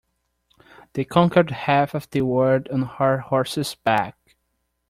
The conquered half of the world on her horse's back.